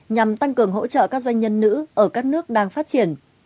nhằm tăng cường hỗ trợ các doanh nhân nữ ở các nước đang phát triển